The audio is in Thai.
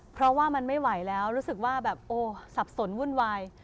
เพราะว่ามันไม่ไหวแล้วรู้สึกว่าแบบโอ้สับสนวุ่นวาย